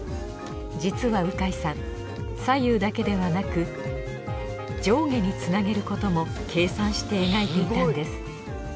実は鵜飼さん左右だけではなく上下につなげることも計算して描いていたんです。